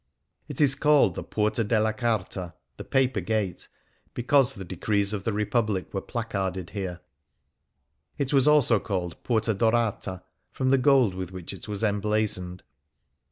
It is called the "Porta della Carta" (the Paper Gate), because the decrees of the Republic were placarded here. It was also called " Porta Dorata,'' from the gold with which it was emblazoned.